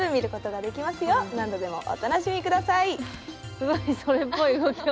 すごいそれっぽい動きを。